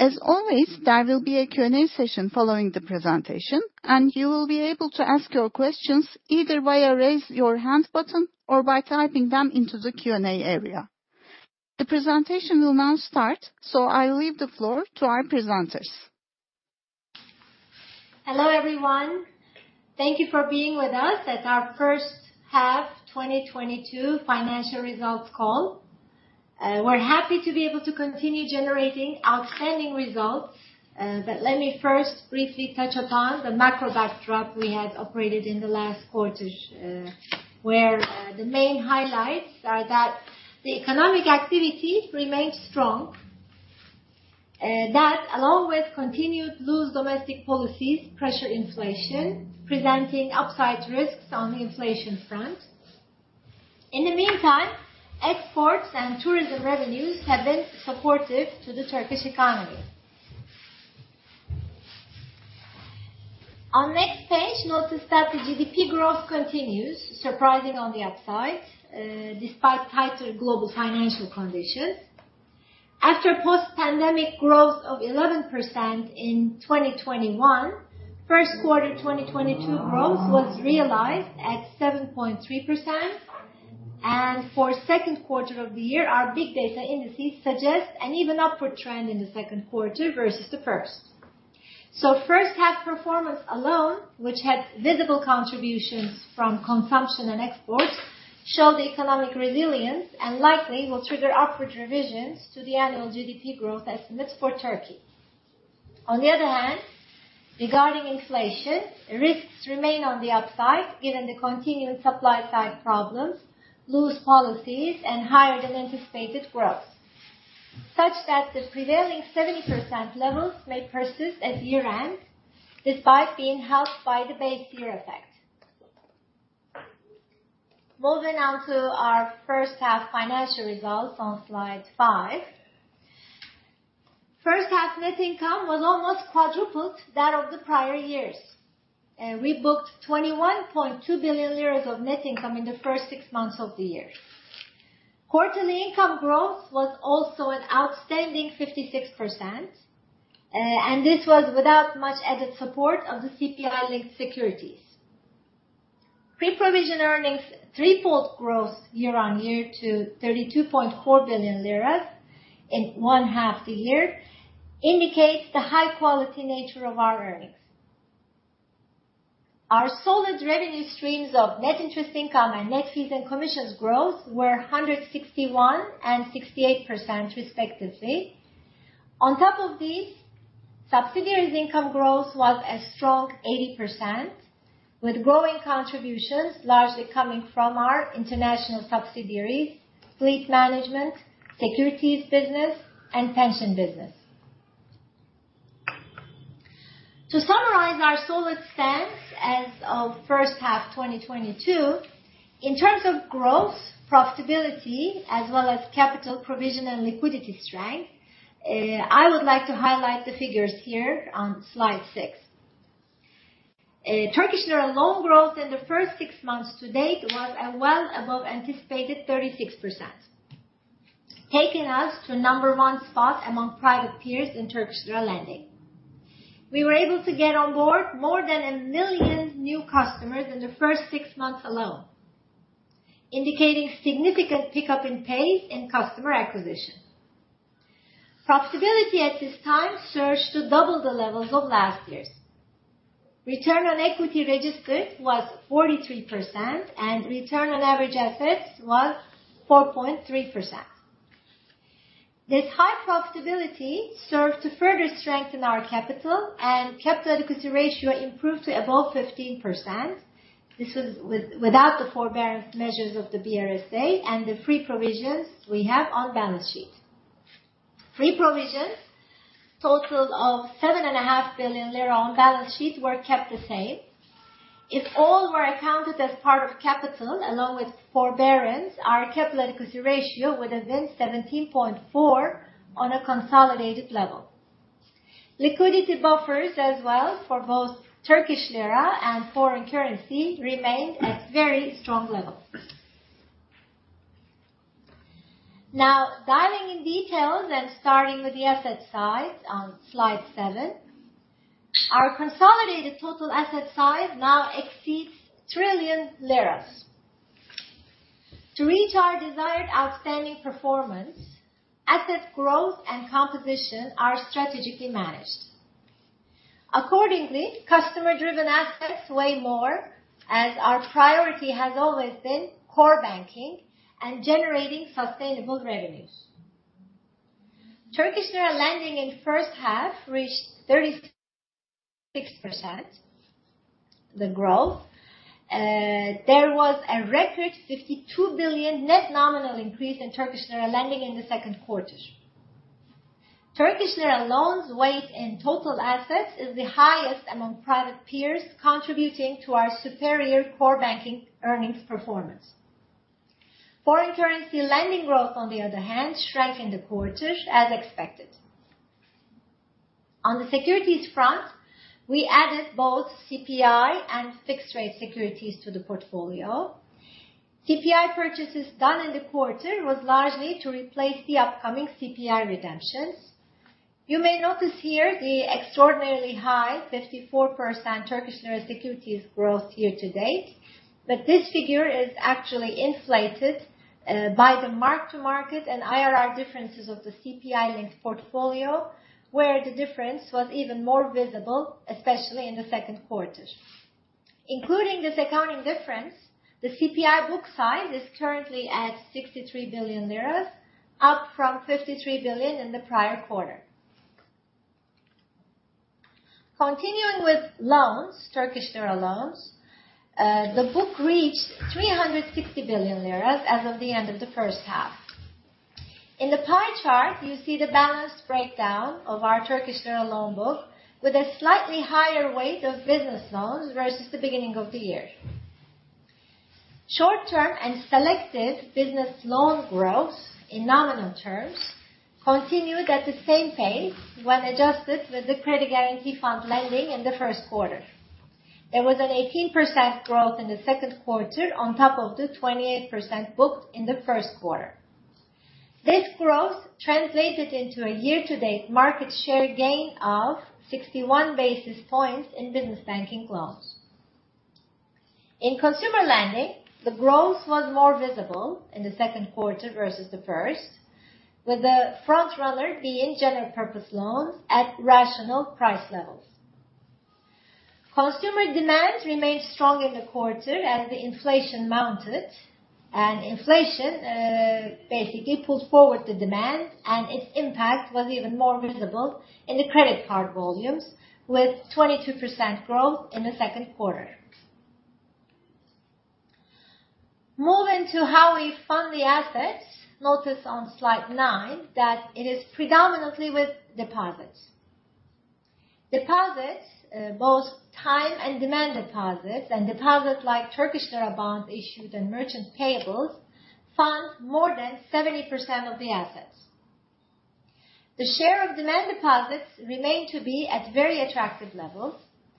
As always, there will be a Q&A session following the presentation, and you will be able to ask your questions either via Raise Your Hand button or by typing them into the Q&A area. The presentation will now start, so I leave the floor to our presenters. Hello, everyone. Thank you for being with us at our First Half 2022 Financial Results Call. We're happy to be able to continue generating outstanding results. Let me first briefly touch upon the macro backdrop we had operated in the last quarter, where the main highlights are that the economic activity remains strong. That along with continued loose domestic policies pressures inflation, presenting upside risks on the inflation front. In the meantime, exports and tourism revenues have been supportive to the Turkish economy. On next page, notice that the GDP growth continues, surprising on the upside, despite tighter global financial conditions. After post-pandemic growth of 11% in 2021, first quarter 2022 growth was realized at 7.3%. For second quarter of the year, our big data indices suggest an even upward trend in the second quarter versus the first. First half performance alone, which had visible contributions from consumption and exports, show the economic resilience and likely will trigger upward revisions to the annual GDP growth estimates for Turkey. On the other hand, regarding inflation, risks remain on the upside given the continuing supply side problems, loose policies and higher than anticipated growth. Such that the prevailing 70% levels may persist at year-end despite being helped by the base year effect. Moving on to our first half financial results on slide five. First half net income was almost quadrupled that of the prior years. We booked 21.2 billion lira of net income in the first six months of the year. Quarterly income growth was also an outstanding 56%, and this was without much added support of the CPI-linked securities. Pre-provision earnings threefold growth year-on-year to 32.4 billion lira in one half the year indicates the high quality nature of our earnings. Our solid revenue streams of net interest income and net fees and commissions growth were 161% and 68% respectively. On top of this, subsidiaries income growth was a strong 80%, with growing contributions largely coming from our international subsidiaries, fleet management, securities business, and pension business. To summarize our solid stance as of first half 2022, in terms of growth, profitability, as well as capital provision and liquidity strength, I would like to highlight the figures here on slide six. Turkish lira loan growth in the first 6 months to date was well above anticipated 36%, taking us to number one spot among private peers in Turkish lira lending. We were able to get on board more than one million new customers in the first six months alone, indicating significant pickup in pace in customer acquisition. Profitability at this time surged to double the levels of last years. Return on equity registered was 43% and return on average assets was 4.3%. This high profitability served to further strengthen our capital and capital adequacy ratio improved to above 15%. This was without the forbearance measures of the BRSA and the free provisions we have on balance sheet. Free provisions, total of TL 7.5 billion on balance sheet were kept the same. If all were accounted as part of capital along with forbearance, our capital adequacy ratio would have been 17.4 on a consolidated level. Liquidity buffers as well for both Turkish lira and foreign currency remained at very strong levels. Now, diving in details and starting with the asset side on slide seven. Our consolidated total asset size now exceeds TL 1 trillion. To reach our desired outstanding performance, asset growth and composition are strategically managed. Accordingly, customer-driven assets weigh more as our priority has always been core banking and generating sustainable revenues. Turkish lira lending in first half reached 36% growth. There was a record TL 52 billion net nominal increase in Turkish lira lending in the second quarter. Turkish lira loans weigh in total assets is the highest among private peers, contributing to our superior core banking earnings performance. Foreign currency lending growth, on the other hand, shrank in the quarter as expected. On the securities front, we added both CPI and fixed rate securities to the portfolio. CPI purchases done in the quarter was largely to replace the upcoming CPI redemptions. You may notice here the extraordinarily high 54% Turkish lira securities growth year-to-date, but this figure is actually inflated by the mark-to-market and IRR differences of the CPI linked portfolio, where the difference was even more visible, especially in the second quarter. Including this accounting difference, the CPI book size is currently at TL 63 billion, up from TL 53 billion in the prior quarter. Continuing with loans, Turkish lira loans, the book reached TL 360 billion as of the end of the first half. In the pie chart, you see the balanced breakdown of our Turkish lira loan book with a slightly higher weight of business loans versus the beginning of the year. Short-term and selected business loan growth in nominal terms continued at the same pace when adjusted with the Credit Guarantee Fund lending in the first quarter. There was an 18% growth in the second quarter on top of the 28% booked in the first quarter. This growth translated into a year-to-date market share gain of 61 basis points in business banking loans. In consumer lending, the growth was more visible in the second quarter versus the first, with the frontrunner being general purpose loans at rational price levels. Consumer demand remained strong in the quarter as inflation mounted and basically pulls forward the demand, and its impact was even more visible in the credit card volumes with 22% growth in the second quarter. Moving to how we fund the assets. Notice on slide nine that it is predominantly with deposits. Deposits, both time and demand deposits and deposits like Turkish lira bonds issued and merchant payables fund more than 70% of the assets. The share of demand deposits remain to be at very attractive levels,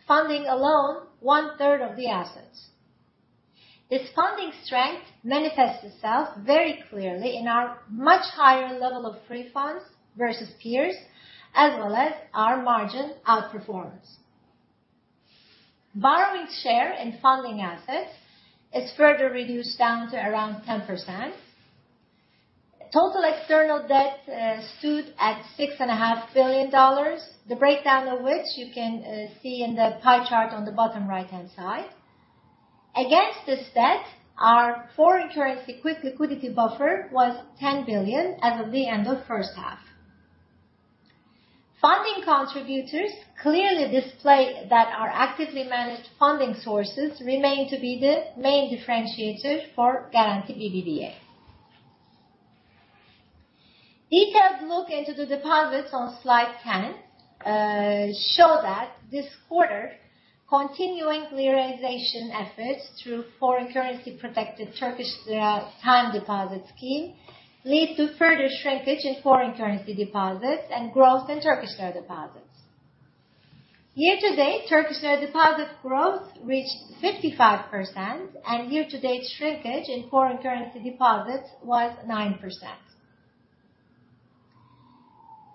funding alone one-third of the assets. This funding strength manifests itself very clearly in our much higher level of free funds versus peers, as well as our margin outperformance. Borrowing share in funding assets is further reduced down to around 10%. Total external debt stood at $6.5 billion. The breakdown of which you can see in the pie chart on the bottom right-hand side. Against this debt, our foreign currency liquidity buffer was $10 billion as of the end of first half. Funding contributors clearly display that our actively managed funding sources remain to be the main differentiator for Garanti BBVA. Detailed look into the deposits on slide ten show that this quarter continuing liralization efforts through foreign currency protected Turkish lira time deposit scheme leads to further shrinkage in foreign currency deposits and growth in Turkish lira deposits. Year-to-date, Turkish lira deposit growth reached 55%, and year-to-date shrinkage in foreign currency deposits was 9%.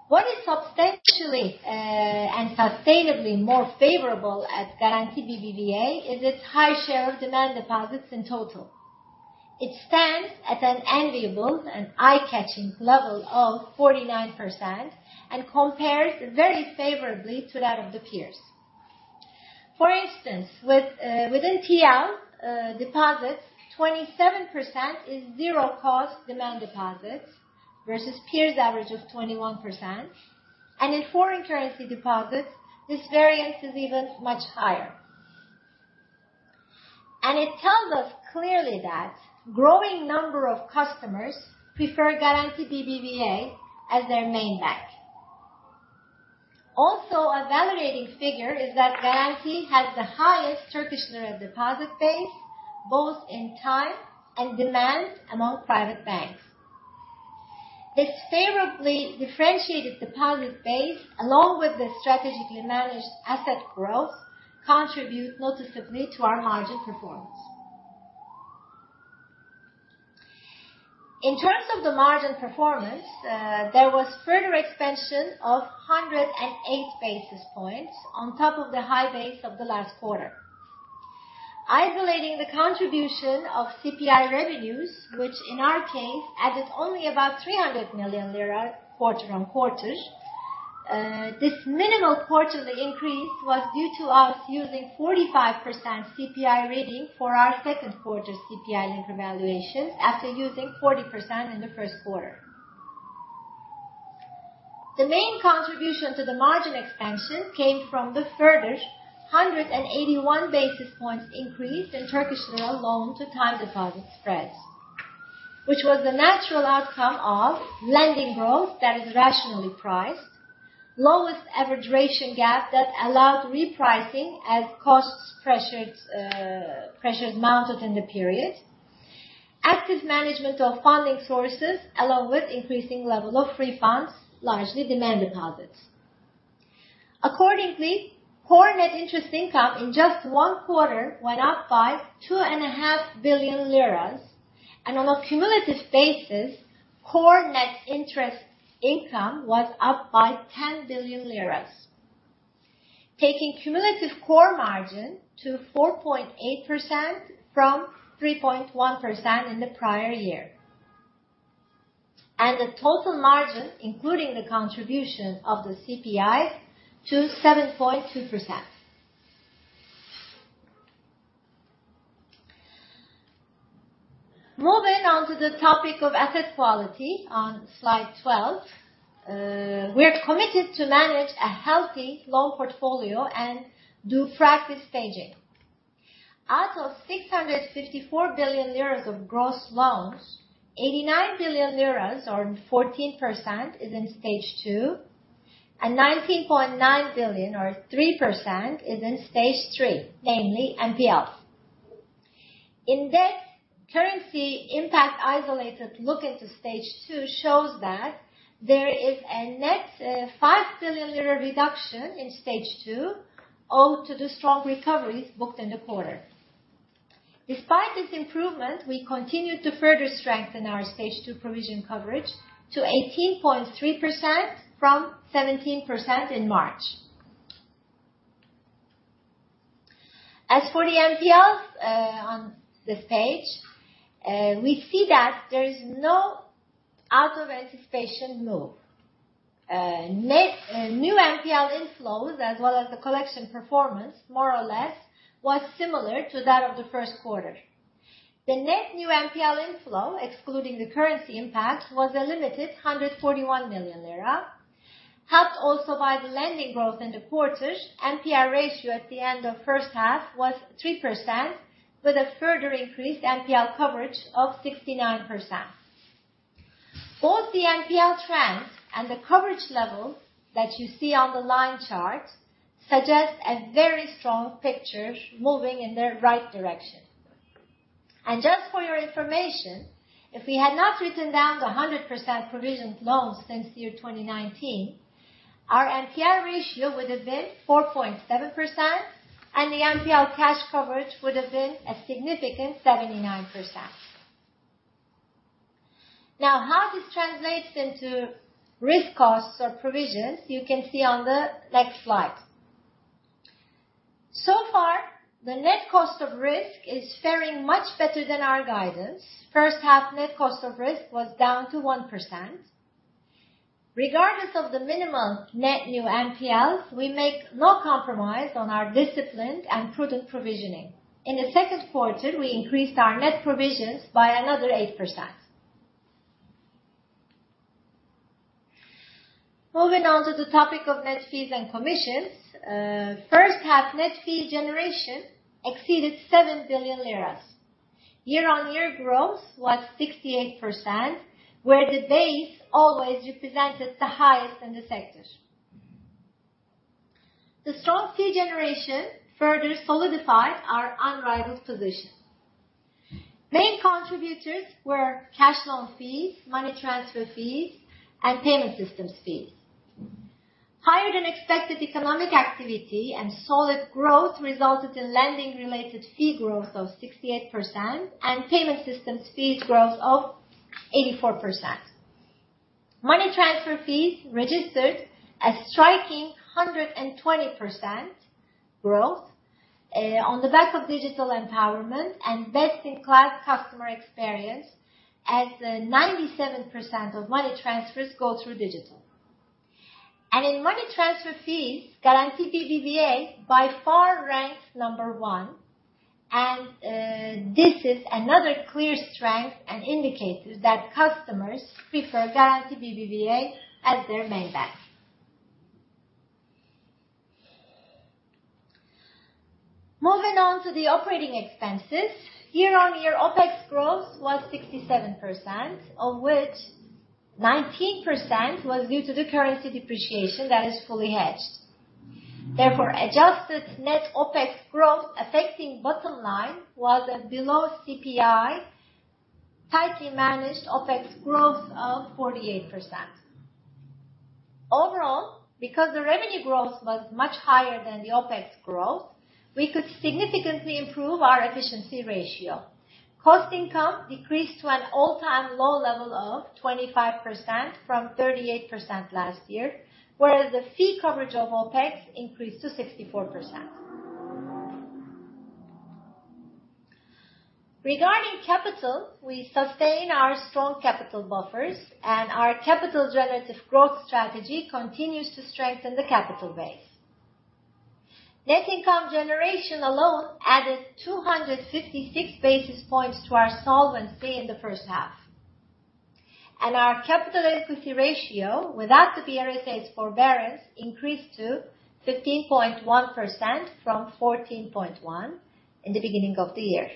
What is substantially and sustainably more favorable at Garanti BBVA is its high share of demand deposits in total. It stands at an enviable and eye-catching level of 49% and compares very favorably to that of the peers. For instance, within TL deposits, 27% is zero cost demand deposits versus peers average of 21%. In foreign currency deposits, this variance is even much higher. It tells us clearly that growing number of customers prefer Garanti BBVA as their main bank. Also a validating figure is that Garanti has the highest Turkish lira deposit base, both in time and demand among private banks. Its favorably differentiated deposit base, along with the strategically managed asset growth, contribute noticeably to our margin performance. In terms of the margin performance, there was further expansion of 108 basis points on top of the high base of the last quarter. Isolating the contribution of CPI revenues, which in our case added only about 300 million lira quarter-on-quarter. This minimal quarterly increase was due to us using 45% CPI rating for our second quarter CPI link revaluation after using 40% in the first quarter. The main contribution to the margin expansion came from the further 181 basis points increase in Turkish lira loan to time deposit spreads, which was the natural outcome of lending growth that is rationally priced, lowest ever duration gap that allowed repricing as pressures mounted in the period. Active management of funding sources, along with increasing level of funds, largely demand deposits. Accordingly, core net interest income in just one quarter went up by 2.5 billion lira. On a cumulative basis, core net interest income was up by 10 billion lira, taking cumulative core margin to 4.8% from 3.1% in the prior year. The total margin, including the contribution of the CPI, to 7.2%. Moving on to the topic of asset quality on slide 12. We are committed to manage a healthy loan portfolio and do practice staging. Out of 654 billion lira of gross loans, 89 billion lira or 14% is in stage two, and 19.9 billion or 3% is in stage three, namely NPL. In-depth currency impact isolated look into stage two shows that there is a net, five billion lira reduction in stage two due to the strong recoveries booked in the quarter. Despite this improvement, we continued to further strengthen our stage two provision coverage to 18.3% from 17% in March. As for the NPL, on this page, we see that there is no out of anticipation move. Net new NPL inflows as well as the collection performance more or less was similar to that of the first quarter. The net new NPL inflow, excluding the currency impact, was a limited 141 million lira. Helped also by the lending growth in the quarters, NPL ratio at the end of first half was 3% with a further increased NPL coverage of 69%. Both the NPL trends and the coverage levels that you see on the line chart suggest a very strong picture moving in the right direction. Just for your information, if we had not written down the 100% provision loans since 2019, our NPL ratio would have been 4.7%, and the NPL cash coverage would have been a significant 79%. Now, how this translates into risk costs or provisions, you can see on the next slide. So far, the net cost of risk is faring much better than our guidance. First half net cost of risk was down to 1%. Regardless of the minimal net new NPL, we make no compromise on our disciplined and prudent provisioning. In the second quarter, we increased our net provisions by another 8%. Moving on to the topic of net fees and commissions. First half net fee generation exceeded 7 billion lira. Year-on-year growth was 68%, where the base always represented the highest in the sector. The strong fee generation further solidified our unrivaled position. Main contributors were cash loan fees, money transfer fees, and payment systems fees. Higher than expected economic activity and solid growth resulted in lending-related fee growth of 68% and payment systems fee growth of 84%. Money transfer fees registered a striking 120% growth on the back of digital empowerment and best-in-class customer experience as 97% of money transfers go through digital. In money transfer fees, Garanti BBVA by far ranks number one. This is another clear strength and indicates that customers prefer Garanti BBVA as their main bank. Moving on to the operating expenses. Year-on-year OpEx growth was 67%, of which 19% was due to the currency depreciation that is fully hedged. Therefore, adjusted net OpEx growth affecting bottom line was below CPI, tightly managed OpEx growth of 48%. Overall, because the revenue growth was much higher than the OpEx growth, we could significantly improve our efficiency ratio. Cost income decreased to an all-time low level of 25% from 38% last year, whereas the fee coverage of OpEx increased to 64%. Regarding capital, we sustain our strong capital buffers and our capital generative growth strategy continues to strengthen the capital base. Net income generation alone added 256 basis points to our solvency in the first half. Our capital equity ratio without the BRSA's forbearance increased to 15.1% from 14.1 in the beginning of the year.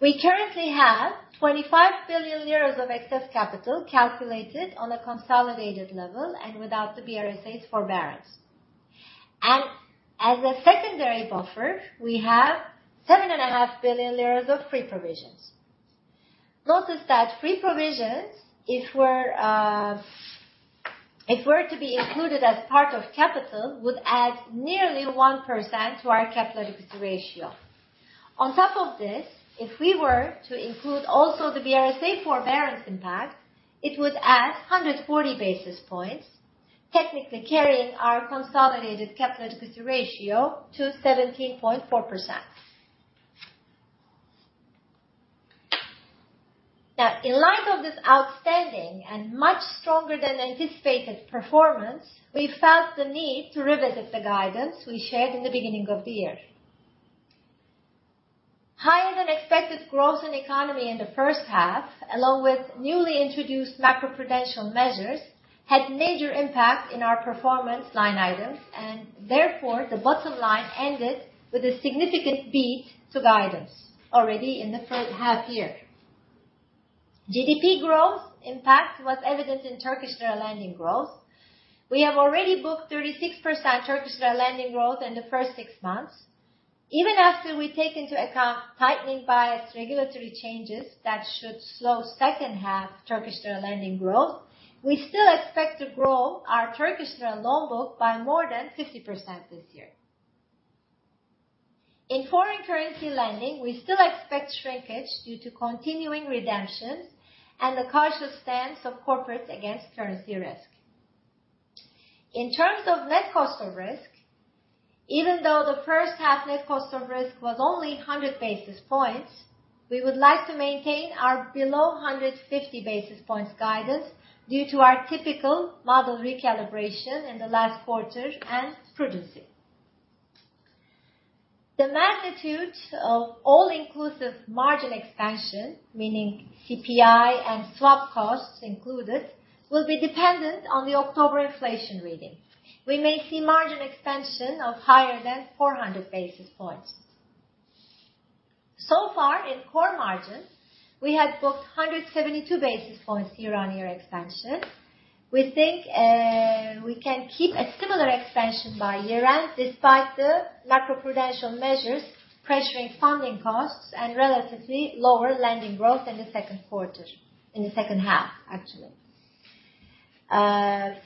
We currently have TRY 25 billion of excess capital calculated on a consolidated level and without the BRSA's forbearance. As a secondary buffer, we have 7.5 billion lira of free provisions. Notice that free provisions, if we were to be included as part of capital, would add nearly 1% to our capital ratio. On top of this, if we were to include also the BRSA forbearance impact, it would add 140 basis points, technically carrying our consolidated capital ratio to 17.4%. In light of this outstanding and much stronger than anticipated performance, we felt the need to revisit the guidance we shared in the beginning of the year. Higher than expected growth in economy in the first half, along with newly introduced macro-prudential measures, had major impact in our performance line items and therefore the bottom line ended with a significant beat to guidance already in the first half year. GDP growth impact was evident in Turkish lira lending growth. We have already booked 36% Turkish lira lending growth in the first six months. Even after we take into account tightening bias regulatory changes that should slow second half Turkish lira lending growth, we still expect to grow our Turkish lira loan book by more than 50% this year. In foreign currency lending, we still expect shrinkage due to continuing redemptions and the cautious stance of corporates against currency risk. In terms of net cost of risk, even though the first half net cost of risk was only 100 basis points, we would like to maintain our below 150 basis points guidance due to our typical model recalibration in the last quarter and prudency. The magnitude of all-inclusive margin expansion, meaning CPI and swap costs included, will be dependent on the October inflation reading. We may see margin expansion of higher than 400 basis points. So far in core margins, we had booked 172 basis points year-on-year expansion. We think, we can keep a similar expansion by year-end despite the macro-prudential measures pressuring funding costs and relatively lower lending growth in the second quarter, in the second half, actually.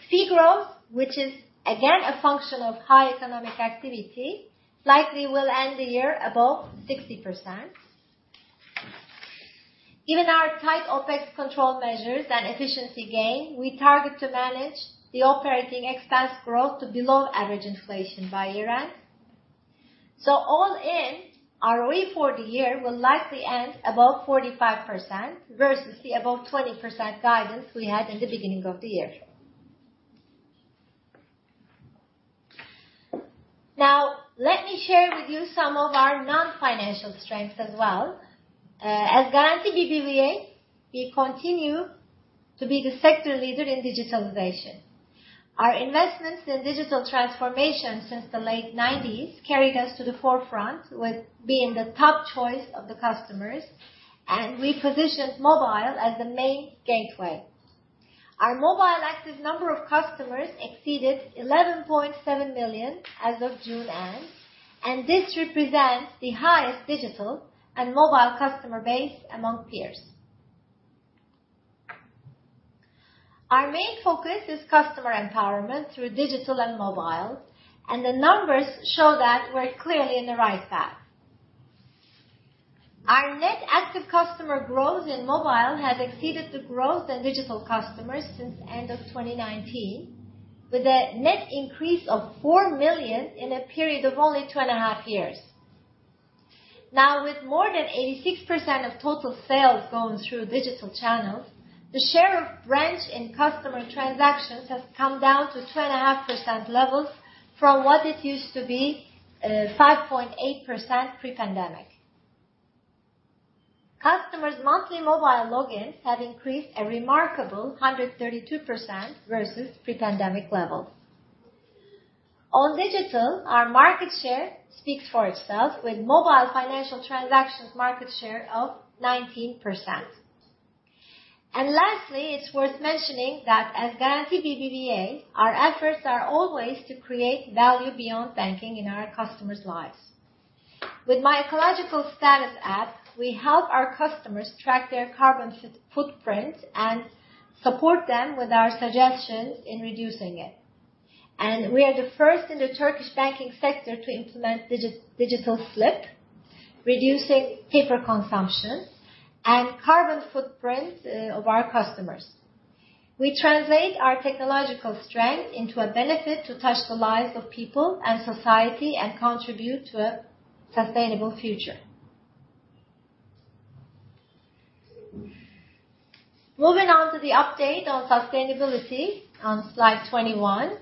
Fee growth, which is again a function of high economic activity, likely will end the year above 60%. Given our tight OpEx control measures and efficiency gain, we target to manage the operating expense growth to below average inflation by year-end. All in, our ROE for the year will likely end above 45% versus the above 20% guidance we had in the beginning of the year. Now, let me share with you some of our non-financial strengths as well. As Garanti BBVA, we continue to be the sector leader in digitalization. Our investments in digital transformation since the late nineties carried us to the forefront with being the top choice of the customers, and we positioned mobile as the main gateway. Our mobile active number of customers exceeded 11.7 million as of June end, and this represents the highest digital and mobile customer base among peers. Our main focus is customer empowerment through digital and mobile, and the numbers show that we're clearly in the right path. Our net active customer growth in mobile has exceeded the growth in digital customers since end of 2019, with a net increase of 4 million in a period of only two and a half years. Now, with more than 86% of total sales going through digital channels, the share of branch in customer transactions has come down to 2.5% levels from what it used to be, 5.8% Pre-pandemic. Customers' monthly mobile logins have increased a remarkable 132% versus pre-pandemic levels. On digital, our market share speaks for itself with mobile financial transactions market share of 19%. Lastly, it's worth mentioning that as Garanti BBVA, our efforts are always to create value beyond banking in our customers' lives. With Ekolojik Durumum, we help our customers track their carbon footprint and support them with our suggestions in reducing it. We are the first in the Turkish banking sector to implement digital slip, reducing paper consumption and carbon footprint of our customers. We translate our technological strength into a benefit to touch the lives of people and society and contribute to a sustainable future. Moving on to the update on sustainability on slide 21.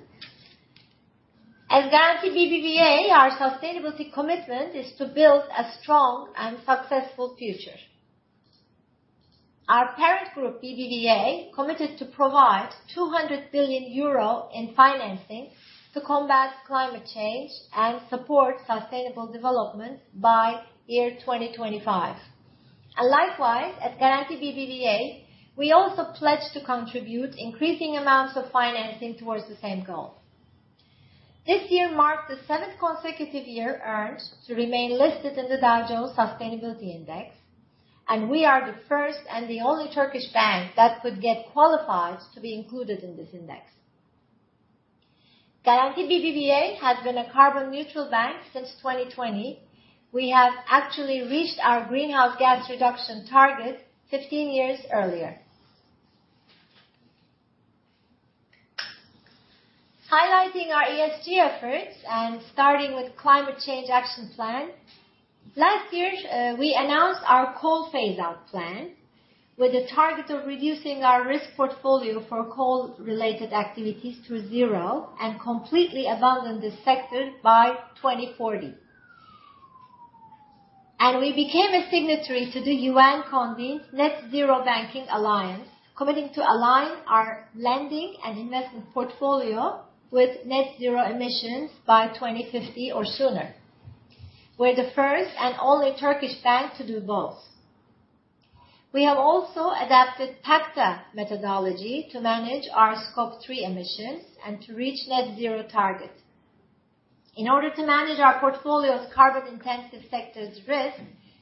As Garanti BBVA, our sustainability commitment is to build a strong and successful future. Our parent group, BBVA, committed to provide 200 billion euro in financing to combat climate change and support sustainable development by 2025. Likewise, at Garanti BBVA, we also pledge to contribute increasing amounts of financing towards the same goal. This year marked the seventh consecutive year earned to remain listed in the Dow Jones Sustainability Index, and we are the first and the only Turkish bank that could get qualified to be included in this index. Garanti BBVA has been a carbon neutral bank since 2020. We have actually reached our greenhouse gas reduction target 15-years earlier. Highlighting our ESG efforts and starting with climate change action plan. Last year, we announced our coal phase out plan with a target of reducing our risk portfolio for coal-related activities to zero and completely abandon this sector by 2040. We became a signatory to the UN-convened Net-Zero Banking Alliance, committing to align our lending and investment portfolio with net zero emissions by 2050 or sooner. We're the first and only Turkish bank to do both. We have also adapted PACTA methodology to manage our Scope 3 emissions and to reach net-zero target. In order to manage our portfolio's carbon-intensive sectors risk,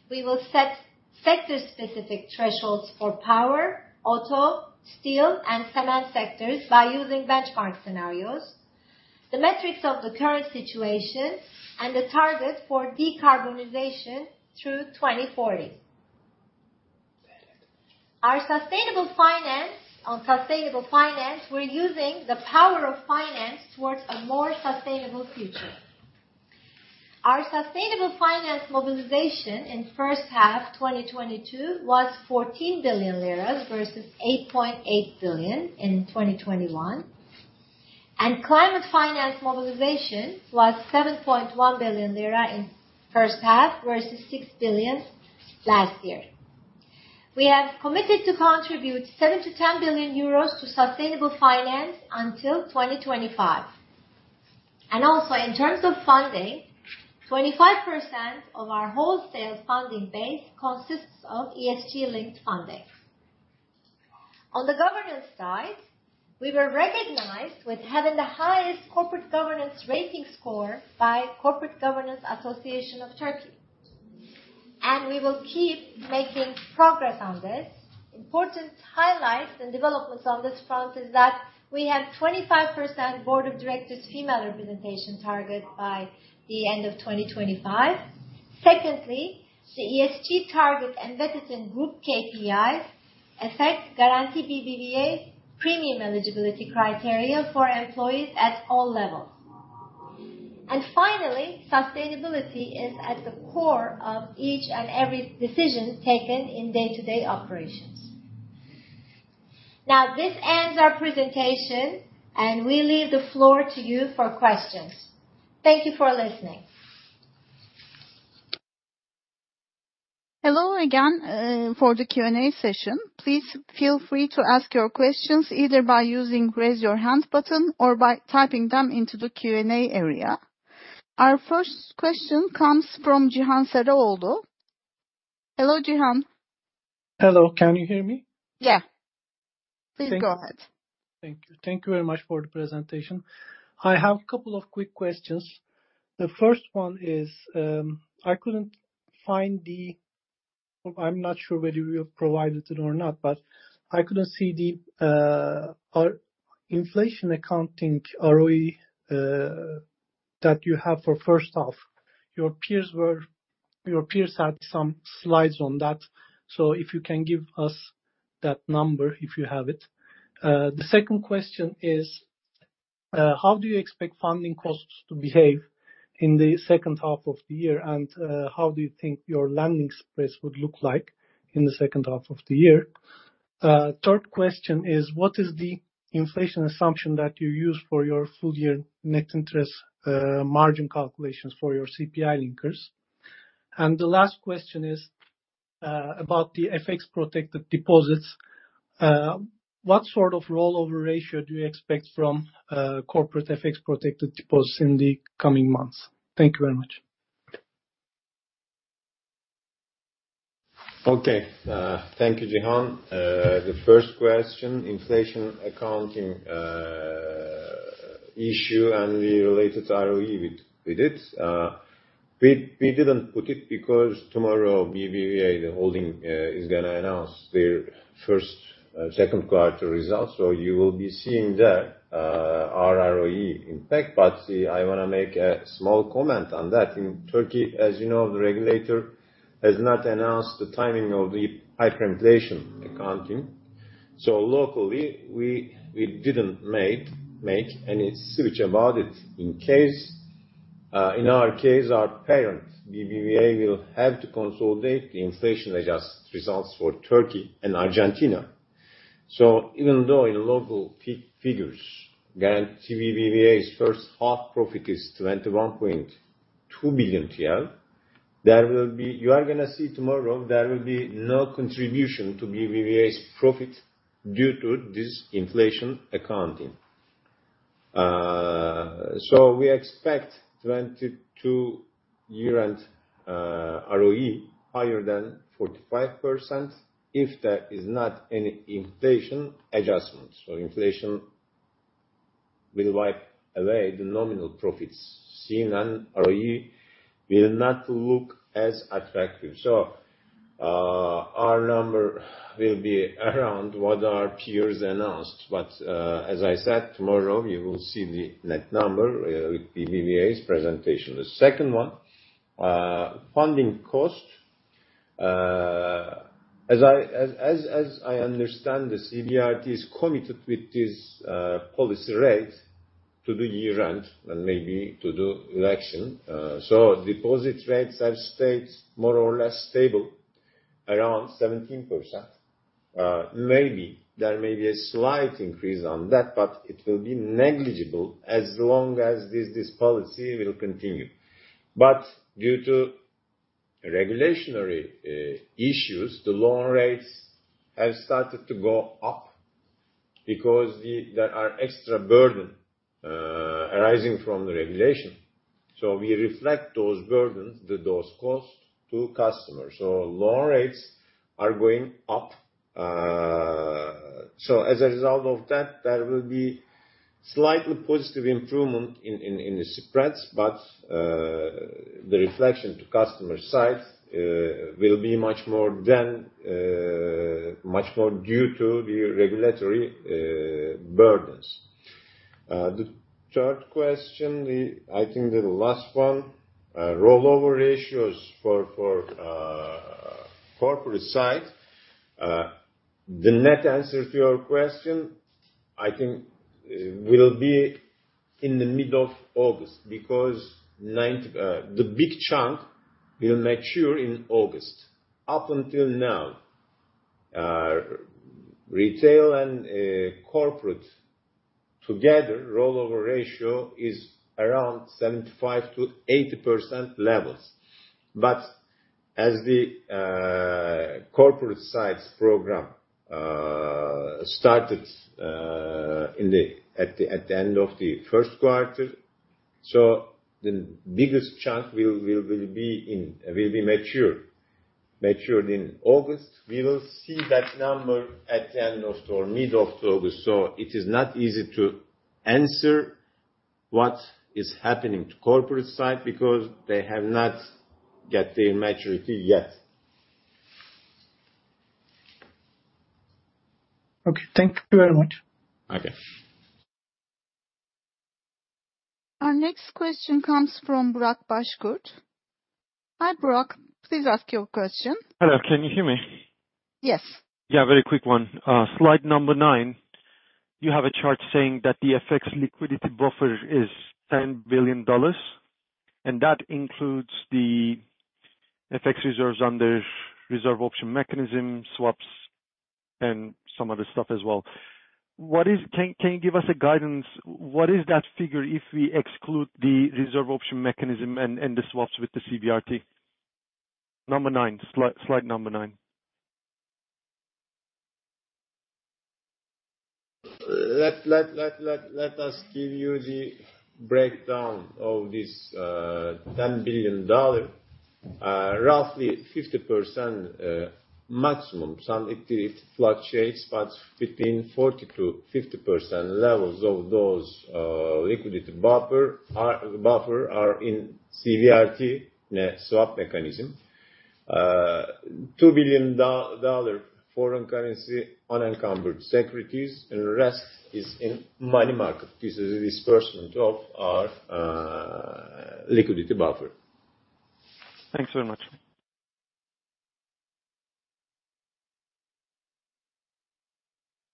we will set sector-specific thresholds for power, auto, steel and cement sectors by using benchmark scenarios, the metrics of the current situation and the target for decarbonization through 2040. On sustainable finance, we're using the power of finance towards a more sustainable future. Our sustainable finance mobilization in first half 2022 was 14 billion lira versus 8.8 billion in 2021. Climate finance mobilization was 7.1 billion lira in first half versus 6 billion last year. We have committed to contribute 7 billion-10 billion euros to sustainable finance until 2025. In terms of funding, 25% of our wholesale funding base consists of ESG-linked funding. On the governance side, we were recognized with having the highest corporate governance rating score by Corporate Governance Association of Turkey. We will keep making progress on this. Important highlights and developments on this front is that we have 25% board of directors female representation target by the end of 2025. Secondly, the ESG target embedded in group KPIs affect Garanti BBVA's premium eligibility criteria for employees at all levels. Finally, sustainability is at the core of each and every decision taken in day-to-day operations. Now, this ends our presentation, and we leave the floor to you for questions. Thank you for listening. Hello again. For the Q&A session, please feel free to ask your questions either by using raise your hand button or by typing them into the Q&A area. Our first question comes from Cihan Seroğlu. Hello, Cihan. Hello. Can you hear me? Yeah. Please go ahead. Thank you. Thank you very much for the presentation. I have a couple of quick questions. The first one is, I'm not sure whether you have provided it or not, but I couldn't see the inflation accounting ROE that you have for first half. Your peers had some slides on that. So if you can give us that number, if you have it. The second question is, how do you expect funding costs to behave in the second half of the year? And, how do you think your lending space would look like in the second half of the year? Third question is, what is the inflation assumption that you use for your full year net interest margin calculations for your CPI linkers? And the last question is, about the FX-protected deposits. What sort of rollover ratio do you expect from corporate FX-protected deposits in the coming months? Thank you very much. Okay. Thank you, Cihan. The first question, inflation accounting issue and the related ROE with it. We didn't put it because tomorrow BBVA, the holding, is gonna announce their second quarter results. You will be seeing that our ROE impact. I wanna make a small comment on that. In Turkey, as you know, the regulator has not announced the timing of the hyperinflation accounting. Locally, we didn't make any switch about it. In our case, our parent, BBVA, will have to consolidate the inflation-adjusted results for Turkey and Argentina. Even though in local figures, Garanti BBVA's first half profit is 21.2 billion TL, there will be. You are gonna see tomorrow, there will be no contribution to BBVA's profit due to this inflation accounting. We expect 2022 year-end ROE higher than 45% if there is not any inflation adjustments. Inflation will wipe away the nominal profits seen, and ROE will not look as attractive. Our number will be around what our peers announced. As I said, tomorrow you will see the net number with BBVA's presentation. The second one, funding cost. As I understand, the CBRT is committed with this policy rate to the year-end and maybe to the election. Deposit rates have stayed more or less stable around 17%. Maybe there may be a slight increase on that, but it will be negligible as long as this policy will continue. Due to regulatory issues, the loan rates have started to go up because there are extra burden arising from the regulation. We reflect those burdens with those costs to customers. Loan rates are going up. As a result of that, there will be slightly positive improvement in the spreads. The reflection to customer side will be much more due to the regulatory burdens. The third question, I think the last one, rollover ratios for corporate side. The net answer to your question, I think will be in the middle of August, because the big chunk will mature in August. Up until now, retail and corporate together rollover ratio is around 75%-80% levels. As the corporate sides program started at the end of the first quarter, the biggest chunk will be matured in August. We will see that number at the end of or mid of October. It is not easy to answer what is happening to corporate side because they have not got their maturity yet. Okay, thank you very much. Okay. Our next question comes from Burak Başkurt. Hi, Burak. Please ask your question. Hello. Can you hear me? Yes. Yeah, a very quick one. Slide number nine, you have a chart saying that the FX liquidity buffer is $10 billion, and that includes the FX reserves under Reserve Option Mechanism, swaps, and some other stuff as well. Can you give us guidance, what is that figure if we exclude the Reserve Option Mechanism and the swaps with the CBRT? Number nine. Slide number nine. Let us give you the breakdown of this $10 billion. Roughly 50%, maximum. Sometimes it fluctuates, but between 40%-50% levels of those liquidity buffer are in CBRT net swap mechanism. $2 billion foreign currency unencumbered securities, and the rest is in money market. This is a disbursement of our liquidity buffer. Thanks very much.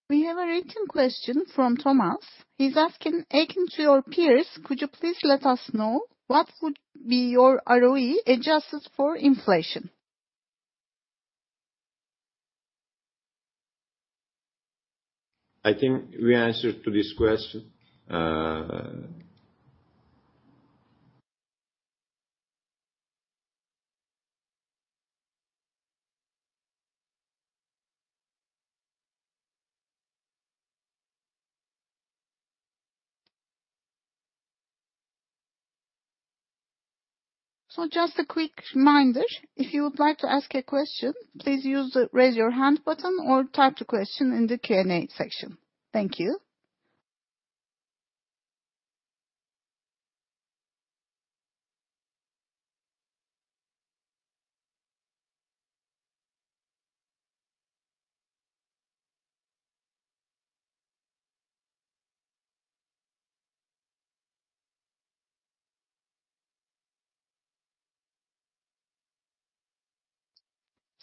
We have a written question from Thomas. He's asking, "Akin to your peers, could you please let us know what would be your ROE adjusted for inflation? I think we answered to this question. Just a quick reminder, if you would like to ask a question, please use the raise your hand button or type the question in the Q&A section. Thank you.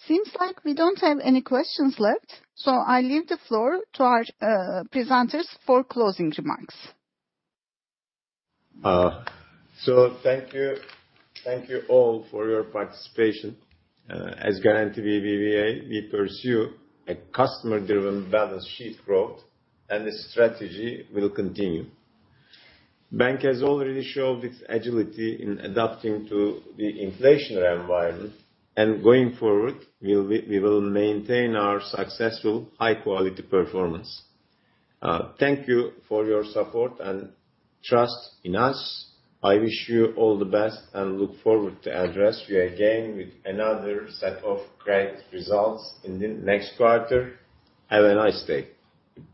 Seems like we don't have any questions left, so I leave the floor to our presenters for closing remarks. Thank you. Thank you all for your participation. As Garanti BBVA, we pursue a customer-driven balance sheet growth, and the strategy will continue. Bank has already showed its agility in adapting to the inflationary environment, and going forward, we will maintain our successful high-quality performance. Thank you for your support and trust in us. I wish you all the best, and look forward to address you again with another set of great results in the next quarter. Have a nice day.